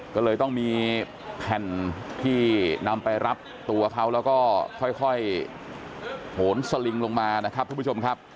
ก็เลยต้องมีแผ่นที่นำไปรับตัวเขาแล้วก็ค่อยโหนสลิงลงมานะครับทุกผู้ชมครับ